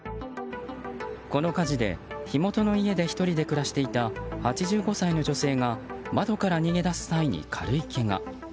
この火事で火元の家で１人で暮らしていた８５歳の女性が窓から逃げ出す際に軽いけが。